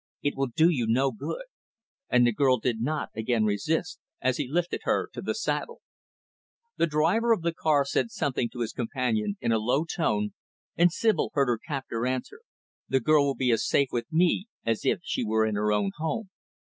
"It will do you no good." And the girl did not again resist, as he lifted her to the saddle. The driver of the car said something to his companion in a low tone, and Sibyl heard her captor answer, "The girl will be as safe with me as if she were in her own home."